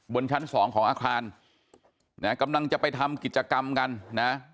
ชั้นสองของอาคารนะกำลังจะไปทำกิจกรรมกันนะ